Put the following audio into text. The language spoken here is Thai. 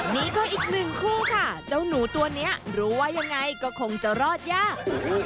นี่ก็อีกหนึ่งคู่ค่ะเจ้าหนูตัวนี้รู้ว่ายังไงก็คงจะรอดยาก